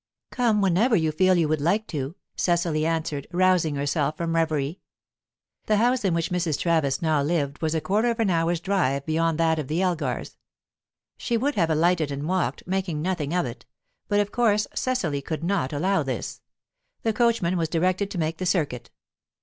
"Come whenever you feel you would like to," Cecily answered, rousing herself from reverie. The house in which Mrs. Travis now lived was a quarter of an hour's drive beyond that of the Elgars; she would have alighted and walked, making nothing of it, but of course Cecily could not allow this. The coachman was directed to make the circuit.